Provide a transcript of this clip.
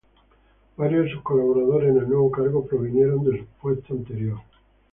Varios de sus colaboradores en el nuevo cargo provinieron de su puesto anterior.